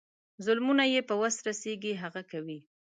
ظلمونه یې په وس رسیږي هغه کوي.